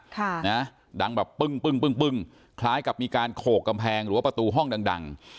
ค่ะนะดังแบบปึ้งปึ้งปึ้งปึ้งคล้ายกับมีการโขกกำแพงหรือว่าประตูห้องดังดัง